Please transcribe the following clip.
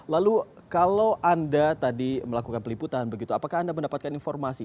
lalu kalau anda tadi melakukan peliputan begitu apakah anda mendapatkan informasi